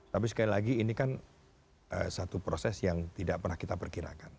tapi sekali lagi ini kan satu proses yang tidak pernah kita perkirakan